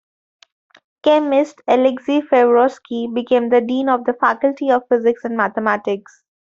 Chemist Alexey Favorsky became the Dean of the Faculty of Physics and Mathematics.